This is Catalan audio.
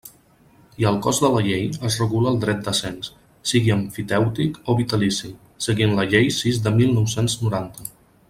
I al cos de la llei, es regula el dret de cens, sigui emfitèutic o vitalici, seguint la Llei sis de mil nou-cents noranta.